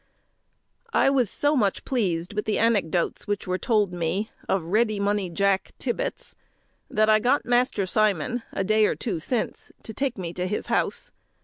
I was so much pleased with the anecdotes which were told me of Ready Money Jack Tibbets, that I got Master Simon, a day or two since, to take me to his house.